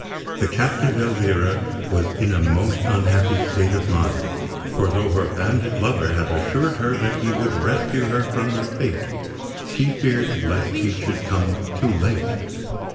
The captive Elvira was in a most unhappy state of mind; for though her bandit lover had assured her that he would rescue her from her fate, she feared lest he should come too late.